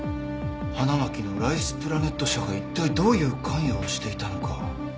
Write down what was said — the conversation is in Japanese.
花巻のライスプラネット社がいったいどういう関与をしていたのか。